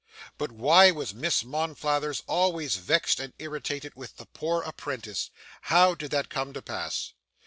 But why was Miss Monflathers always vexed and irritated with the poor apprentice how did that come to pass?